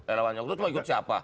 relawan jokowi itu cuma ikut siapa